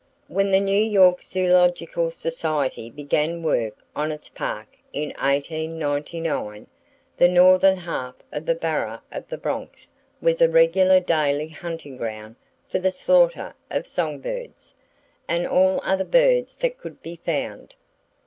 When the New York Zoological Society began work on its Park in 1899, the northern half of the Borough of the Bronx was a regular daily hunting ground for the slaughter of song birds, and all other birds that could be found.